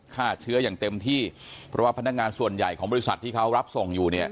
ฆ่าเชื้ออย่างเต็มที่เพราะว่าพนักงานส่วนใหญ่ของบริษัทที่เขารับส่งอยู่เนี่ย